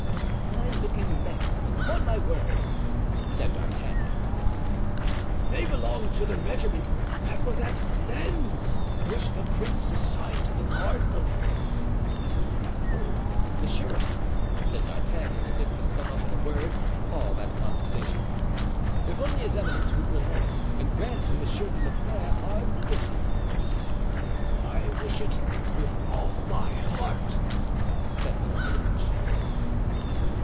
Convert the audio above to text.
"Fine looking men, upon my word!" said D'Artagnan. "They belong to the regiment that was at Lens, which the prince assigned to the cardinal." "Ah, monsieur," said D'Artagnan, as if to sum up in a word all that conversation, "if only his eminence would relent and grant to Monsieur de la Fere our liberty." "I wish it with all my heart," said Comminges.